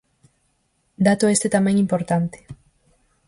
Dato este tamén importante.